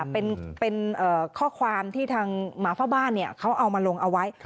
เป็นข้อความที่ทางหมาเฝ้าบ้านเขาเอามาลงเอาไว้